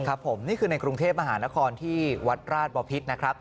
ครับผมนี่คือในกรุงเทพมหานครที่วัดราชบพิษนะครับ